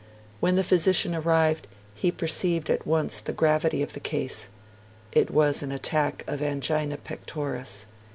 When the physician arrived, he perceived at once the gravity of the case: it was an attack of angina pectoris.